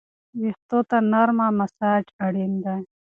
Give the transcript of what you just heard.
ویښتو ته نرمه مساج اړین دی.